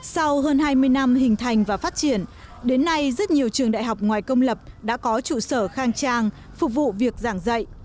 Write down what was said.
sau hơn hai mươi năm hình thành và phát triển đến nay rất nhiều trường đại học ngoài công lập đã có trụ sở khang trang phục vụ việc giảng dạy